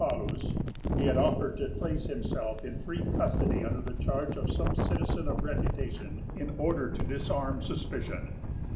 Paullus, he had offered to place himself in free custody under the charge of some citizen of reputation in order to disarm suspicion.